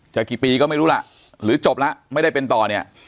กี่ปีก็ไม่รู้ล่ะหรือจบแล้วไม่ได้เป็นต่อเนี่ย